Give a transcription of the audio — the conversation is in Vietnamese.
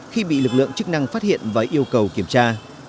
khi bị lực lượng chức năng phát hiện và yêu cầu kiểm tra